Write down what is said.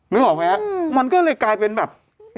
นึกออกไหมฮะมันก็เลยกลายเป็นแบบ